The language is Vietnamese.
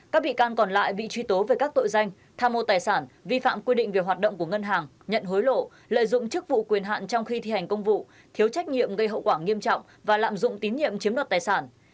các bị can còn lại bị truy tố về các tội danh tha mô tài sản vi phạm quy định về hoạt động của ngân hàng nhận hối lộ lợi dụng chức vụ quyền hạn trong khi thi hành công vụ thiếu trách nhiệm gây hậu quả nghiêm trọng và lạm dụng tín nhiệm chiếm đoạt tài sản